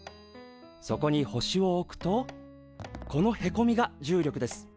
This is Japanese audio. そこに星を置くとこのへこみが重力です。